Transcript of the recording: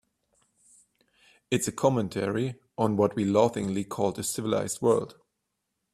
It's a commentary on what we laughingly call the civilized world.